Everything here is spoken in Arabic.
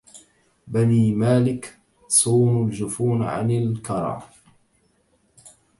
بني مالك صونوا الجفون عن الكرى